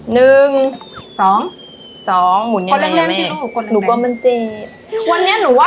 นึงสองสองหมุนยังไงตัวแรงที่รูหนูกว่ามันเจ็บวันนี้หนูว่า